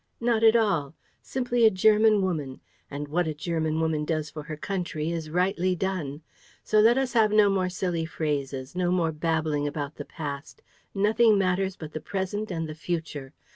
Not at all. Simply a German woman. And what a German woman does for her country is rightly done. So let us have no more silly phrases, no more babbling about the past. Nothing matters but the present and the future.